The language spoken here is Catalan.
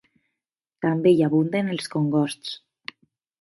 També hi abunden els congosts.